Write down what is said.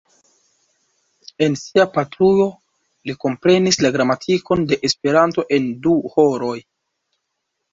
En sia patrujo li komprenis la gramatikon de Esperanto en du horoj.